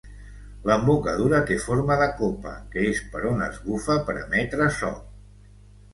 L'embocadura té forma de copa, que és per on es bufa per emetre so.